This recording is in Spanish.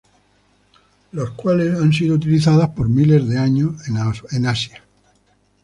Las cuales han sido utilizadas por miles de años en Asia.